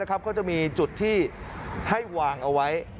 ก็จะมีจุดที่ให้วางเอาไว้